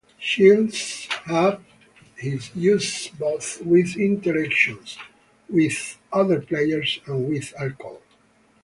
Shields had his issues both with interactions with other players, and with alcohol.